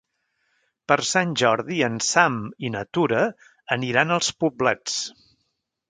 Per Sant Jordi en Sam i na Tura aniran als Poblets.